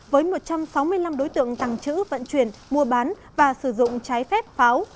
với một trăm sáu mươi năm đối tượng tăng trữ vận chuyển mua bán và sử dụng trái phép pháo